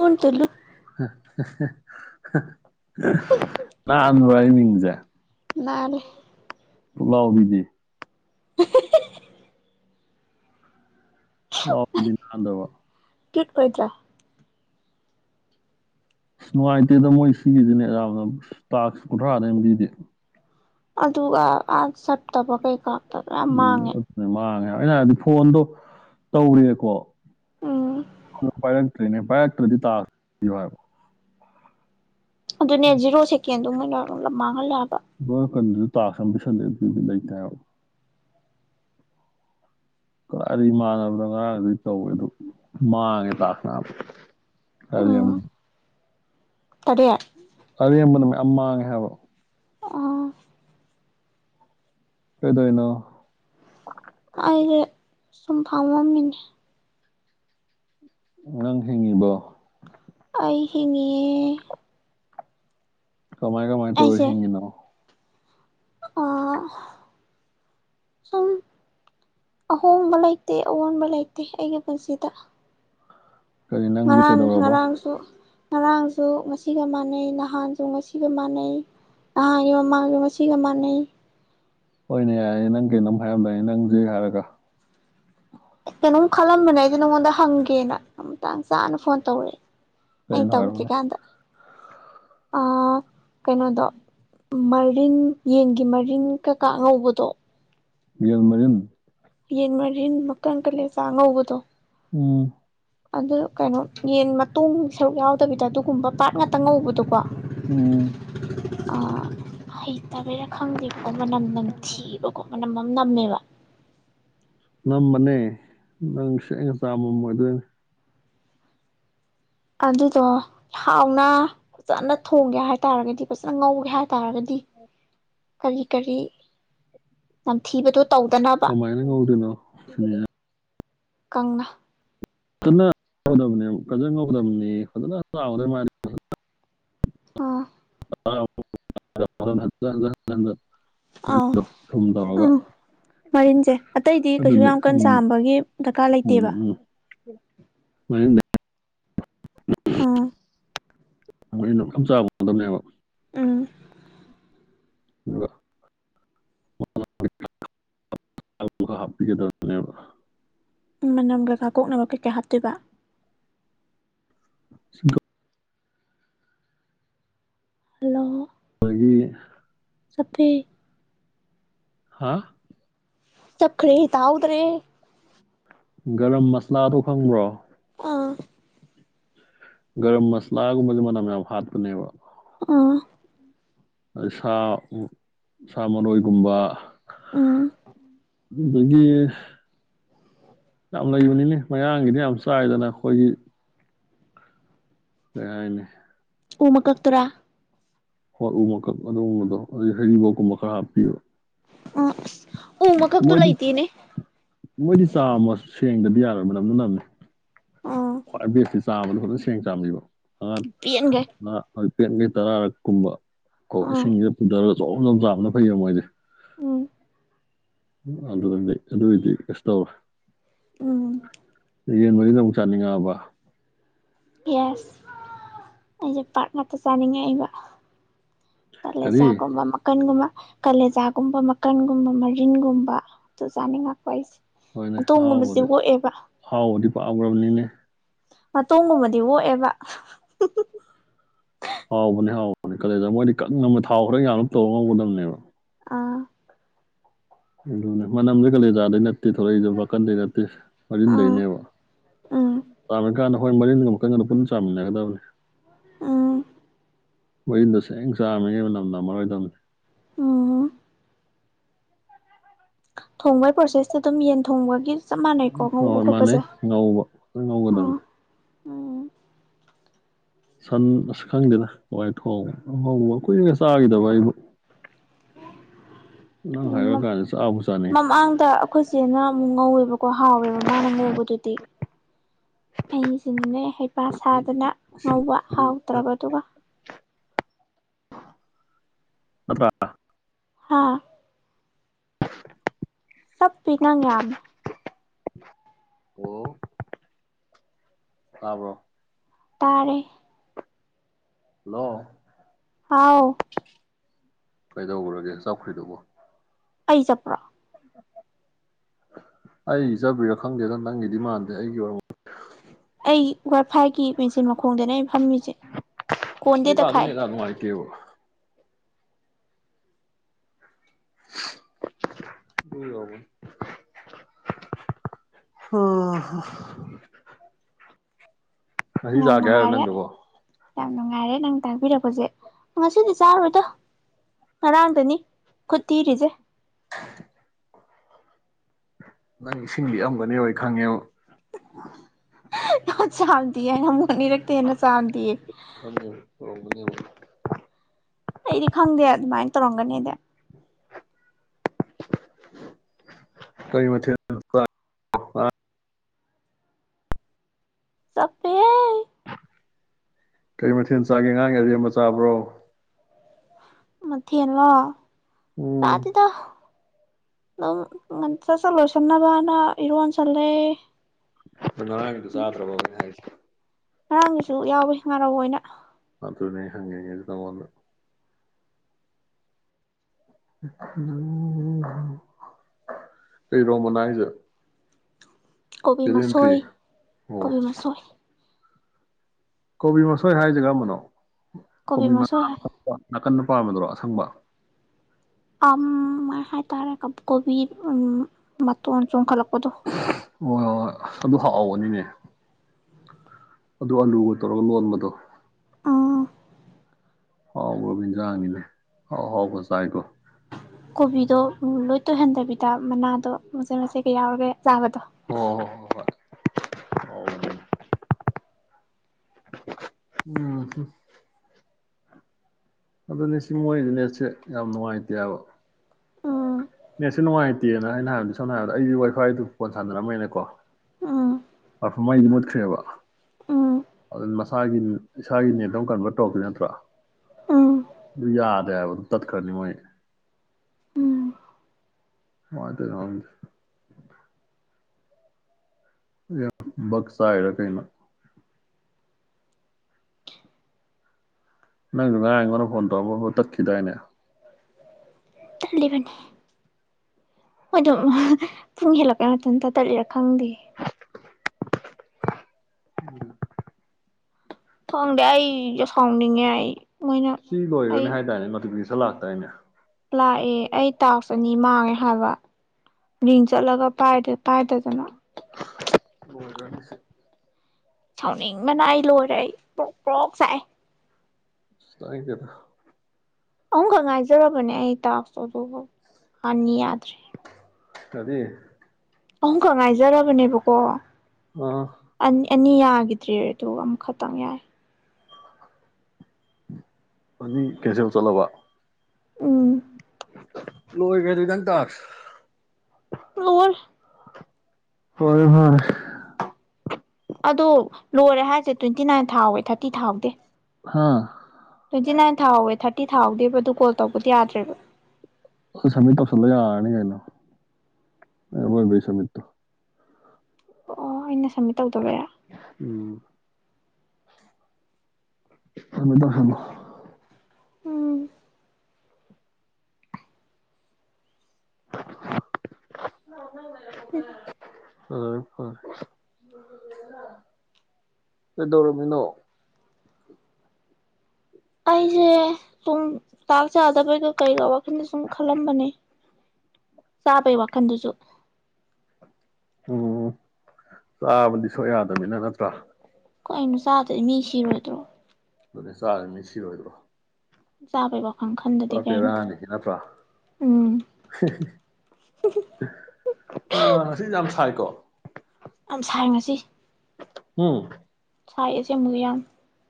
ꯂꯨꯟꯇ ꯍ ꯂꯟꯕꯣ ꯑꯩ ꯃꯤꯡꯖꯦ ꯅꯟꯂꯦ ꯄꯨꯛꯂꯧꯕꯤꯗꯤ [inaudible] ꯄꯨꯛꯂꯧꯕꯤꯗꯤ ꯅꯟꯗ꯭ꯔꯕꯣ ꯀꯤꯠ ꯑꯣꯏꯗ꯭ꯔ ꯑꯁ ꯅꯨꯡꯉꯥꯏꯇꯦꯗ ꯃꯣꯏ ꯁꯤꯒꯤꯖꯦ ꯅꯦꯠ ꯌꯝꯅ ꯑꯁ ꯇꯥꯛꯁ ꯀꯨꯟꯊ꯭ꯔꯥꯗꯩꯏ ꯍꯦꯟ ꯄꯤꯗꯦ ꯑꯗꯨꯒ ꯑ ꯁꯠ ꯇꯕ ꯀꯩꯀꯥ ꯇꯕ ꯌꯥꯝ ꯑꯗꯨ ꯃꯥꯡꯉꯦ ꯑꯗꯨꯅ ꯃꯥꯡꯉꯦ ꯍꯥꯏꯕ ꯑꯩꯅ ꯍꯥꯏꯕꯗꯤ ꯐꯣꯟꯗꯣ ꯇꯧꯔꯦꯑꯦꯀꯣ ꯎꯝ ꯍꯟꯗꯛꯇꯤ ꯄꯥꯏꯔꯛ ꯇ꯭ꯔꯦꯅꯦ ꯄꯥꯏꯔꯛꯇ꯭ꯔꯗꯤ ꯇꯥ ꯄꯤꯌꯣ ꯍꯥꯏꯕ ꯑꯗꯨꯅꯦ ꯖꯤꯔꯣ ꯁꯤꯛ ꯀꯦꯟꯗꯨ ꯃꯣꯏꯅ ꯑ ꯂꯞ ꯃꯥꯡꯍꯜꯂꯦ ꯍ ꯂꯩꯩꯇꯦ ꯍꯥꯏꯌꯣ ꯀꯗꯥꯏꯗꯒꯤ ꯃꯥꯟꯅꯕꯗ ꯉꯔꯥꯡꯗꯤ ꯇꯧꯋꯦ ꯑꯗꯣ ꯃꯥꯡꯉꯦ ꯇꯥꯛꯁ ꯑꯝ ꯑꯔꯦꯝ ꯎꯝ ꯇꯔꯦꯠ ꯑꯔꯦꯝꯕꯗ ꯃꯌꯝ ꯃꯥꯡꯉꯦ ꯍꯥꯏꯕ ꯑꯣ ꯀꯩꯗꯣꯏꯅꯣ ꯑꯩꯖꯦ ꯁꯨꯝ ꯐꯥꯝꯃꯝꯃꯤꯅꯦ ꯅꯪ ꯍꯤꯡꯉꯤꯕꯣ ꯑꯩ ꯍꯤꯡꯉꯤꯌꯦ ꯀꯃꯥꯏ ꯀꯃꯥꯏ ꯇꯧꯔ ꯍꯤꯡꯉꯤꯅꯣ ꯑ ꯁꯨꯝ ꯑꯍꯣꯡꯕ ꯂꯩꯇꯦ ꯑꯑꯣꯟꯕ ꯂꯩꯇꯦ ꯑꯩꯒꯤ ꯄꯨꯟꯁꯤꯗ ꯀꯔꯤ ꯅꯪꯖꯦ ꯉꯔꯥꯡ ꯀꯩꯗꯧꯔꯕ ꯉꯔꯥꯡꯁꯨ ꯉꯔꯥꯡꯁꯨ ꯉꯁꯤꯒ ꯃꯥꯟꯅꯩ ꯅꯍꯥꯟꯁꯨ ꯉꯁꯤꯒ ꯃꯥꯟꯅꯩ ꯅꯍꯥꯟꯒꯤ ꯃꯃꯥꯡꯖꯨ ꯉꯁꯤꯒ ꯃꯥꯟꯅꯩ ꯍꯣꯏꯅꯦ ꯌꯥꯏꯔꯦꯅꯦ ꯅꯪ ꯀꯩꯅꯣꯝ ꯍꯥꯏꯔꯝꯗꯥꯏꯅꯦ ꯅꯪꯁꯦ ꯍꯥꯔꯒ ꯀꯩꯅꯣꯝ ꯈꯜꯂꯝꯕꯅꯦ ꯑꯩꯖꯦ ꯅꯪꯉꯣꯟꯗ ꯍꯪꯒꯦꯅ ꯑꯝ ꯇꯥꯡ ꯆꯥꯅ ꯐꯣꯟ ꯇꯧꯔꯛꯑꯦ ꯍ ꯀꯩꯅꯣ ꯇꯒꯇꯔꯤ ꯍꯥꯏꯔꯛꯑꯣꯅꯦ ꯀꯗ ꯑꯥ ꯀꯩꯅꯣꯗ ꯃꯔꯤꯡ ꯌꯦꯟꯒꯤ ꯃꯔꯤꯡ ꯀꯛ ꯀꯥꯉꯧꯕꯗꯣ ꯜ ꯃꯟ ꯌꯦꯟ ꯃꯥꯔꯤꯟ ꯃꯀꯪ ꯀ ꯂꯩꯦ ꯆꯥꯡꯉ ꯍꯕꯗꯣ ꯎꯝ ꯑꯗꯨ ꯀꯩꯅꯣ ꯌꯦꯟ ꯃꯇꯣꯡ ꯁꯔꯨꯛ ꯌꯥꯎꯗꯕꯤꯗ ꯑꯗꯨꯒꯨꯝꯕ ꯄꯥꯠ ꯉꯥꯛꯇ ꯉꯧꯕꯗꯣ ꯋꯥ ꯎꯝ ꯑꯣ ꯍ ꯇꯕꯩꯔ ꯈꯪꯗꯦꯕꯗꯣ ꯃꯅꯝ ꯅꯝꯊꯤꯕꯀꯣ ꯃꯅꯝ ꯑꯃ ꯅꯝꯃꯦꯕ ꯅꯝꯕꯅꯦ ꯅꯪ ꯁꯛ ꯑ ꯉ ꯆꯃꯝꯃꯣꯏꯗꯣꯏꯅꯦ ꯑꯗꯨꯗꯣ ꯍꯥꯎꯅ ꯐꯖꯅ ꯊꯣꯡꯒꯦ ꯍꯥꯏꯇꯥꯔꯒꯗꯤ ꯐꯖꯅ ꯉꯧꯒꯦ ꯍꯥꯏꯔ ꯇꯥꯔꯒꯗꯤ ꯀꯔꯤ ꯀꯔꯤ ꯅꯝꯊꯤꯕꯗꯣ ꯇꯧꯗꯅꯕ ꯀꯃꯥꯏꯅ ꯀꯧꯗꯅꯣ ꯀꯪꯂꯅꯥ ꯐꯖꯅ ꯉꯕꯅꯤ ꯐꯖꯅ ꯉꯧꯗꯕꯅꯤ ꯐꯖꯅ ꯆꯥꯎꯔꯦ ꯃꯥꯟ ꯑꯥ ꯊꯨꯝꯗꯧꯔꯒ ꯃꯔꯤꯁꯦ ꯑꯇꯩꯗꯤ ꯀꯩꯁꯨ ꯌꯥꯝ ꯀꯟ ꯆꯥꯝꯕꯒꯤ ꯗꯔꯀꯥꯔ ꯎꯝ ꯂꯩꯇꯦꯕ ꯎꯝ ꯃꯔꯤꯟꯗꯣ ꯑꯥ ꯃꯣꯏ ꯆꯥꯕ ꯉꯣꯗꯝꯅꯦꯕ ꯑꯝ ꯍꯥ ꯃꯅꯝ ꯀꯀꯥ ꯀꯣꯛꯅꯕ ꯀꯩꯀꯥ ꯍꯥꯞꯇꯣꯏꯕ ꯁꯤꯗ ꯑꯗꯨꯗꯒꯤ ꯁꯐꯩ ꯍꯥꯥ ꯆꯈ꯭ꯔ ꯇꯥꯎꯗ꯭ꯔꯦ ꯒꯔꯝ ꯃꯁꯂꯥꯗꯣ ꯈꯪꯕ꯭ꯔꯣ ꯑꯥ ꯒꯔꯝ ꯃꯁꯂꯥꯒꯨꯝꯕꯁꯦ ꯃꯅ ꯃꯌꯥꯝ ꯍꯥꯠꯄꯅꯦꯕ ꯑꯥ ꯑꯩ ꯁꯥ ꯁꯥ ꯃꯔꯣꯏꯒꯨꯝꯕ ꯑ [unintelligible] ꯌꯥꯝ ꯂꯩꯕꯅꯤꯅꯦ ꯃꯌꯥꯡꯒꯤꯗꯤ ꯌꯥꯝ ꯆꯥꯏꯗꯅ ꯑꯩꯈꯣꯏꯒꯤ [unintelligible] ꯎ ꯃꯀꯛꯇꯨꯔꯥ ꯍ ꯎ ꯃꯀꯛ ꯑꯗꯨꯒꯨꯝꯕꯗꯣ ꯑꯗꯩ ꯍꯩꯔꯤꯕꯣꯀꯨꯝꯕ ꯈꯔ ꯍꯥꯞꯄꯤꯕ ꯑ ꯎ ꯃꯈꯛꯇꯣ ꯃꯣꯏꯗꯤ ꯂꯩꯇꯦꯅꯦ ꯃꯣꯏꯗꯤ ꯆꯥꯃ [unintelligible] ꯗꯗꯤ ꯌꯥꯔꯣꯏ ꯃꯅꯝꯅ ꯅꯝꯃꯦ ꯑꯥ ꯈ꯭ꯋꯥꯏ ꯕꯦꯁ ꯆꯥꯕꯗꯣ ꯐꯖꯅ ꯁꯦꯡ ꯆꯥꯝꯕꯤꯕ ꯄꯦꯟꯒ꯭ꯔꯦ [unintelligible] [unintelligible] ꯇꯔꯥꯔꯛ ꯀꯨꯝꯕ ꯀꯣ ꯑꯥ ꯏꯁꯤꯪꯁꯤꯗ ꯄꯨꯗꯔ ꯖꯣꯝ - ꯖꯣꯝ ꯆꯥꯕꯅ ꯐꯩꯩꯌꯦ ꯃꯣꯏꯗꯤ ꯎ ꯑꯗꯨꯗꯗꯤ ꯑꯗꯨꯑꯣꯏꯗꯤ ꯀꯩꯁ ꯇꯧꯔꯣꯏ ꯑ ꯌꯦꯟ ꯃꯔꯤꯟ ꯑꯃꯨꯛ ꯆꯥꯅꯤꯡꯉꯛꯑꯕ ꯌꯦꯁ ꯑꯩꯁꯦ ꯄꯥꯔꯠ ꯉꯥꯛꯇ ꯆꯥꯅꯤꯡꯉꯛꯏꯕ ꯀꯔꯤ ꯀꯂꯦꯖꯥꯒꯨꯝꯕ ꯃꯀꯟꯒꯨꯝꯕ ꯀꯂꯦꯖꯥꯒꯨꯝꯕ ꯃꯀꯟꯒꯨꯝꯕ ꯃꯔꯤꯟꯒꯨꯝꯕ ꯑꯗꯨ ꯆꯥꯅꯤꯡꯉꯛꯄ ꯑꯩꯁꯦ ꯍꯣꯏꯅꯦ ꯃꯇꯣꯡꯒꯨꯝꯕꯁꯦ ꯑꯍꯥꯎꯕꯗꯤ ꯑꯣꯛꯑꯦꯕ ꯑꯍꯥꯎꯕꯗꯤ ꯄꯥꯈ꯭ꯔꯕꯅꯤꯅꯦ ꯃꯇꯣꯡ ꯒꯨꯝꯕꯗꯤ ꯑꯣꯛꯑꯦꯕ [unintelligible] ꯍꯥꯎꯕꯅꯦ ꯍꯥꯎꯕꯅꯦ ꯀꯂꯦꯖꯥ ꯃꯣꯏꯗꯤ ꯀꯪꯅ ꯊꯥꯎ ꯈꯔ ꯌꯥꯝꯅꯞ ꯇꯧꯔ ꯉꯧꯒꯗꯕꯅꯦꯕ ꯑꯥ ꯑꯗꯨꯅꯦ ꯃꯅꯝꯗꯤ ꯀꯂꯦꯖꯥꯗꯩ ꯅꯠꯇꯦ ꯊꯣꯔꯛꯖꯦ ꯃꯀꯟꯗꯩ ꯅꯠꯇꯦ ꯑꯥ ꯃꯔꯤꯟꯗꯩꯅꯦꯕ ꯎꯝ ꯇꯃꯦ [unintelligible] ꯃꯔꯤꯟꯒ ꯑꯀꯟꯒꯗꯨ ꯄꯨꯟꯅ ꯆꯥꯃꯤꯟꯅꯒꯗꯕꯅꯤ ꯑ ꯃꯔꯤꯟꯗꯣ ꯁ ꯁꯦꯡ ꯆꯥꯃꯤꯉꯩ ꯃꯅꯝ ꯅꯝꯃꯔꯣꯏꯗꯕꯅꯤ ꯊꯣꯡꯕꯒꯤ ꯄ꯭ꯔꯣꯁꯦꯁꯇ ꯑꯗꯨꯝ ꯌꯦꯟ ꯊꯣꯡꯕꯒꯤ ꯆꯞ ꯃꯥꯟꯅꯩꯀꯣ ꯍꯣꯏ ꯉꯧꯕ ꯍꯣꯏ ꯈꯣꯠꯄꯁꯦ ꯃꯥꯥꯟꯅꯩ ꯉꯧꯕ ꯐꯖꯅ ꯉꯧꯒꯗꯕꯅꯤ ꯑꯥ ꯎꯝ ꯁꯟ ꯑꯁ ꯈꯪꯗꯦꯗ ꯋꯥꯏ ꯊꯣꯡ ꯍꯧꯕ ꯀꯨꯏꯅꯒ ꯆꯥꯈꯤꯗꯕ ꯑꯩꯕꯨ ꯅꯪ ꯍꯥꯏꯔ ꯀꯥꯟ ꯃꯃꯥꯡꯗ ꯑꯩꯈꯣꯏ ꯆꯦꯅ ꯑꯃꯨꯛ ꯉꯧꯋꯦꯕꯀꯣ ꯍꯥꯎꯋꯦꯕ ꯃꯥꯅ ꯉꯧꯕꯗꯨ ꯑꯩ ꯁꯤꯅꯤꯡꯉ ꯍꯥꯏ ꯕꯥꯁꯥꯗꯅ ꯉꯧꯕ ꯍꯥꯎꯗ꯭ꯔꯕꯗꯨꯒ ꯑꯠꯇ ꯍꯥꯥ [unintelligible] ꯆꯞꯄꯤ ꯅꯪ ꯌꯥꯝꯅ ꯑꯣ ꯇꯕ꯭ꯔꯣ ꯇꯔꯦ ꯍꯜꯂꯣ ꯑꯥꯎ ꯀꯩꯗꯧꯈꯨꯔꯒꯦ ꯆꯥꯎꯈ꯭ꯔꯤꯗꯨꯧꯕ ꯑꯩ ꯆꯄ꯭ꯔꯥ ꯑꯩ ꯏ ꯆꯕꯤꯔꯥ ꯈꯪꯗꯦꯗ ꯅꯪꯒꯤꯗꯤ ꯃꯥꯟꯗꯦ ꯑꯩꯒꯤ ꯑꯣꯏꯔ ꯑꯩ ꯋꯥꯏꯐꯥꯏꯒꯤ ꯃꯦꯆꯤꯟ ꯃꯈꯣꯡꯗꯅꯦ ꯑꯩꯅ ꯐꯝꯃꯤꯁꯦ ꯑꯩ ꯇꯥ ꯀꯣꯟꯗꯦꯗ ꯈꯥꯛꯑꯦ ꯑꯗꯨꯅꯦ ꯀꯥ ꯑꯗꯨꯅꯨꯡ ꯍꯥꯏꯥꯏꯇ ꯑꯣ ꯑꯁꯤ ꯌꯥꯝ ꯆꯥꯛꯒꯦ ꯍꯥꯏꯔꯣ ꯅꯨꯡꯉꯥꯏꯔꯦ ꯅꯪꯗꯨꯕꯣ ꯌꯥꯝ ꯅꯨꯡꯉꯥꯏꯔꯦ ꯅꯪ ꯇꯥꯛꯕꯤꯔꯛꯄꯁꯦ ꯉꯁꯤꯗꯤ ꯆꯥꯔꯨꯗꯣ ꯉꯔꯥꯡꯗꯅꯤ ꯈꯨ ꯊꯤꯔꯤꯁꯦ [unintelligible] ꯅꯪ ꯏꯁꯤꯡ ꯂꯤꯑꯝꯒꯅꯤ ꯑꯣꯏ ꯈꯪꯉꯦꯕ ꯅ ꯆꯥꯟꯗꯤ ꯍꯥꯏꯅ ꯅꯤ ꯔꯛꯇꯟꯅꯁꯥꯡꯗꯤꯌꯦ ꯈꯪꯉꯦꯕ [unintelligible] ꯑꯩꯗꯤ ꯈꯪꯗꯦ ꯑꯗꯨꯃꯥꯏꯅ ꯇꯧꯔꯝꯒꯅꯤꯗ ꯀ ꯃꯊ ꯁꯐꯦ ꯀꯩ ꯃꯊꯦꯜ ꯆꯥꯒꯦ ꯑꯉꯥꯡ ꯑꯔꯤꯦꯝꯕ ꯆꯥꯕ꯭ꯔꯣ ꯃꯊꯦꯂ ꯎꯝ ꯔꯗꯤꯗ ꯁꯂꯣ ꯀꯟꯅꯕꯅ ꯏꯔꯣꯟꯁꯜꯔꯦ ꯉꯔꯥꯡꯒꯤꯗꯣ ꯆꯥꯗ꯭ꯔꯕ ꯑꯩꯅ ꯍꯥꯏꯁꯦ ꯉꯔꯥꯡꯒꯤꯁꯨ ꯌꯥꯎꯋꯤ ꯉꯥꯔꯧ ꯑꯣꯏꯅ ꯑ ꯑꯗꯨꯅꯦ ꯍꯪꯤꯇ ꯋꯥꯟꯅ ꯎ ꯀꯩꯔꯣꯝꯕꯅ ꯍꯥꯏꯁꯦ ꯀꯣꯕꯤ ꯃꯁꯣꯏ ꯕꯦꯂꯦꯟꯗ꯭ꯔꯤ ꯑꯣ ꯀꯣꯕꯤ ꯃꯁꯣꯏ ꯀꯣꯕꯤ ꯃꯁꯣꯏ ꯍꯥꯏ ꯖꯒꯥ ꯃꯅꯣ ꯀꯣꯕꯤ ꯃ ꯅꯥ ꯀꯟꯟꯅ ꯄꯥꯝꯗꯨ꯭ꯔꯣ ꯑ ꯊꯪꯕ ꯑ ꯃ ꯍꯥꯏ ꯇꯔ ꯀꯣꯕꯤꯔ ꯎ ꯃꯇꯣꯟ ꯆꯨꯡꯈꯂ ꯀꯠꯇꯣꯛ ꯍꯣꯏ ꯍꯣꯏꯣꯏ ꯑꯗꯨ ꯍꯥꯎꯍꯒꯅꯤꯅꯦ ꯑꯗꯨ ꯑꯂꯨꯒ ꯇꯧꯔꯒ ꯂꯣꯟꯕꯗꯣ ꯑꯥ ꯍꯥꯎ ꯔꯣꯕꯤꯟꯖꯅꯤ ꯂꯩ ꯍꯥꯎ ꯍꯥꯎ ꯍꯁꯥꯏꯀꯣ ꯀꯣꯕꯤꯤꯗꯂꯣꯏꯍꯟ ꯇꯕꯤ ꯗ ꯃꯅꯥꯗꯣ ꯃꯆꯦ ꯃꯆꯦ ꯀꯩ ꯌꯥꯎꯔꯒꯦ ꯆꯥꯕꯗꯣ ꯍꯣ ꯍꯣ ꯍꯣ ꯍꯣꯏ ꯀꯥꯎꯕꯅꯦ ꯎꯝ ꯑꯗꯨꯅꯦꯁꯤꯡ ꯃꯣꯏꯗꯤꯅꯦꯠꯁꯦ ꯌꯥꯝ ꯅꯨꯡꯉꯥꯏꯇꯦꯕ ꯎꯝ ꯅꯦꯠꯁꯨ ꯅꯨꯡꯉꯥꯏꯇꯦꯅ ꯑꯩꯅ ꯍꯥꯏꯕꯗ ꯁꯝꯅ ꯍꯥꯏꯔꯕꯗ ꯑꯩꯗꯤ ꯋꯥꯏꯐꯥꯏꯗꯨ ꯐꯣꯟ ꯁꯥꯟꯅꯔꯝꯃꯦꯅꯀꯣ ꯎꯝ ꯄꯔꯐꯃꯩꯗꯤ ꯃꯨꯠꯈ꯭ꯔꯦꯕ ꯎꯝ ꯑꯗꯨ ꯃꯁꯥꯒꯤ ꯏꯁꯥꯒꯤ ꯅꯦꯠꯇ ꯑꯃ ꯀꯟꯚꯔꯠ ꯇꯧꯔꯛꯇꯦ ꯅꯠꯇ꯭ꯔꯥ ꯎꯝ ꯑꯗꯨ ꯌꯥꯗꯦ ꯍꯥꯏꯕ ꯑꯗꯨ ꯇꯠꯈ꯭ꯔꯅꯤ ꯃꯣꯏ ꯎꯝ ꯃꯥ ꯇ ꯔꯥꯡꯗ ꯌꯥꯝ ꯛꯁ ꯍꯥꯏꯔ ꯀꯩꯅꯩꯅ ꯅꯪꯁꯨ ꯉꯥꯏ ꯑꯩꯉꯣꯟꯗ ꯐꯣꯟ ꯇꯧꯑꯄ ꯇꯛꯈꯤꯗꯏꯅꯦ ꯊꯜꯂꯤꯕꯅꯤ ꯃꯗꯝ ꯄꯨꯡ ꯍꯦꯜꯂꯛꯄꯩ ꯉꯇꯇ ꯇꯠꯂꯤꯔꯥ ꯈꯪꯗꯦ ꯎꯝ ꯊꯣꯡꯗꯦ ꯑꯩ ꯐꯥꯎꯅꯤꯡꯉꯦ ꯑꯩ ꯃꯣꯏꯅ ꯁꯤ ꯑꯩ ꯂꯣꯏꯔꯅꯤ ꯍꯥꯏꯇꯥꯔꯅꯦ ꯃꯗꯨꯒꯤꯗꯤ ꯁꯂꯥꯛꯇ ꯂꯥꯛꯑꯦ ꯑꯩ ꯇꯥꯛꯁ ꯑꯅꯤ ꯃꯥꯡꯉꯦ ꯍꯥꯏꯕ ꯔꯤꯡ ꯆꯠꯂꯒ ꯄ ꯄꯥꯏꯗꯗꯅ ꯔꯅꯤꯁꯤꯦ ꯁꯥꯎꯅꯤꯡ ꯃꯅꯥꯏ ꯂꯣꯏꯔꯦ ꯄ꯭ꯔꯣꯛ ꯄ꯭ꯔꯣꯛ ꯁꯥꯏ ꯊꯥꯏꯒꯗ ꯑꯃꯨꯈ ꯉꯥꯏꯖꯔꯕꯅꯦ ꯑꯩ ꯇꯥꯛꯇꯣ ꯑꯗꯨ ꯍꯅꯤ ꯌꯥꯗ꯭ꯔꯦ ꯆꯗꯤ ꯑꯪꯀ ꯉꯥꯏꯖꯔꯕꯅꯦꯕꯀꯣ ꯑꯥ ꯑꯦꯅꯤ ꯌꯥꯈꯤꯗ꯭ꯔꯦ ꯑꯗꯨ ꯑꯃꯨꯛꯈꯛꯇꯪ ꯌꯥꯏ ꯑꯅꯤ ꯀꯩꯁꯦꯜ ꯆꯂꯕ ꯎꯝ ꯎ ꯂꯣꯏ ꯀ ꯑꯗꯨ ꯀꯪ ꯇꯥꯁ ꯑꯣ ꯍꯣꯏ ꯍꯣꯏ ꯑꯗꯣ ꯂꯣꯏꯔꯦ ꯍꯥꯏꯁꯦ ꯇ꯭ꯋꯦꯟꯇꯤ ꯅꯥꯏꯟ ꯊꯥꯎꯋꯦ ꯊꯥꯔꯇꯤ ꯊꯥꯎꯗꯤꯦ ꯍꯥꯥ ꯇ꯭ꯋꯦꯟꯇꯤ ꯅꯥꯏꯟ ꯊꯥꯎꯋꯦ ꯊꯥꯔꯇꯤ ꯊꯥꯎꯧꯗꯦꯕ ꯑꯗꯨ ꯀꯣꯜ ꯇꯧꯕꯗꯤ ꯌꯥꯗ꯭ꯔꯦꯕ ꯁꯃꯤꯔ ꯇꯧꯁꯟꯂ ꯌꯥꯔꯅꯤ ꯀꯩꯅꯣ ꯑꯣꯏ ꯁꯃꯤꯔꯣ ꯑꯣ ꯑꯩꯅ ꯁꯕꯃꯤꯠ ꯇꯧꯗꯕꯩꯔꯥ ꯎꯝ ꯑꯗꯂꯣ ꯎꯝ [inaudible] ꯎ ꯑꯗꯔꯃꯤꯅꯣ ꯑꯩꯁꯦ ꯇꯨꯡ ꯇꯥꯔ ꯆ ꯑꯗ ꯄꯩꯗ ꯀꯩꯀ ꯋꯥꯈꯜꯗ ꯁꯨꯝ ꯈꯜꯂꯝꯕꯅꯦ ꯆꯥꯕꯩ ꯋꯥꯈꯟꯗꯨꯁꯨ ꯎꯝ ꯆꯥꯕꯗꯤ ꯁꯣꯛ ꯌꯥꯗꯅꯤꯅ ꯅꯠꯇ꯭ꯔꯥ ꯀꯣꯏꯅꯅꯨꯡ ꯁꯥ ꯑꯗ ꯃꯤ ꯁꯤꯔꯣꯏꯗ꯭ꯔꯣ ꯑꯗꯨ ꯆꯥꯔꯅꯤ ꯁꯤꯔꯣꯏꯗ꯭ꯔꯣ ꯆ ꯄꯕ ꯄꯦꯔꯥꯅꯤ ꯅꯄ꯭ꯔꯥ ꯎꯝ ꯑꯥ ꯁꯤ ꯌꯥꯝ ꯁꯥꯏ ꯀꯣ ꯌꯥꯝ ꯁꯥꯡꯉꯁꯤ ꯎꯝ ꯁꯥꯏꯁꯦ ꯃꯨ ꯌꯥꯝ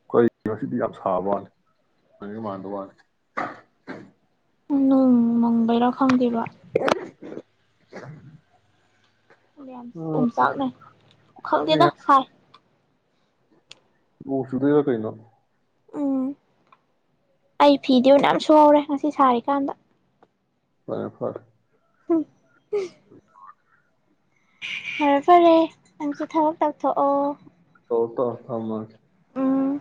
ꯑꯩꯈꯣꯏ ꯉꯗꯤ ꯌꯥꯝ ꯁꯥꯕ ꯋꯥꯅꯤ ꯃꯥ ꯃꯥꯟꯗ ꯋꯥꯅꯤ ꯎꯝ ꯃꯪꯕꯩꯔ ꯈꯪꯗꯦꯕ [inaudible] ꯌꯥꯝ ꯎꯝ ꯎꯝꯆꯥꯛꯅ ꯈꯪꯗꯦꯗ ꯁꯥꯏ ꯃꯁꯨꯨꯗ ꯀꯩꯅꯩꯅꯣ ꯎꯝ ꯑꯩ ꯐꯤꯗꯤꯅ ꯁꯥꯎꯔꯦ ꯉꯁꯤ ꯁꯥꯔꯤꯀꯥꯟꯗ ꯋꯥ ꯐꯔ ꯍ [unintelligible] ꯐꯔꯦ ꯐꯔꯦ ꯑꯪꯁꯨ ꯊꯕꯛ ꯇꯧꯊꯣꯛꯑꯣ ꯇꯇꯣ ꯊꯃꯁ ꯑ